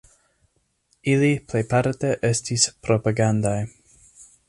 Ili plejparte estis propagandaj.